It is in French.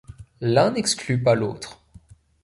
L’un n’exclut pas l’autre.